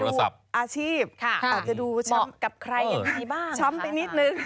แล้วก็ไปดูอาชีพไปดูเชิมกับใครอีกนิดนึง